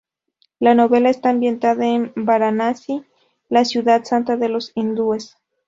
La novela está ambientada en Varanasi, la ciudad santa de los hindúes.